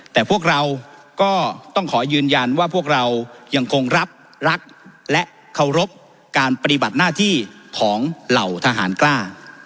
แต่พวกเราก็ต้องขอยืนยันว่าพวกเรายังคงรับรักและเคารพการปฏิบัติหน้าที่ของเหล่าทหารกล้า